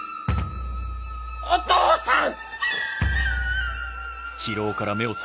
お父さん！